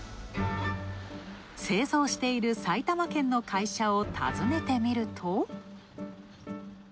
製造している埼玉県の会社をたずねてみると。